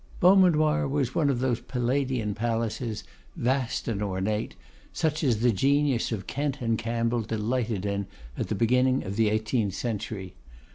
Beaumanoir was one of those Palladian palaces, vast and ornate, such as the genius of Kent and Campbell delighted in at the beginning of the eighteenth century.